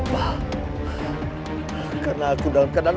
mau kemana kita mas raden